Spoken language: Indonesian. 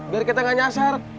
biar kita gak nyasar